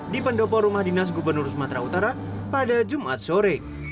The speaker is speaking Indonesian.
di pendopo rumah dinas gubernur sumatera utara pada jumat sore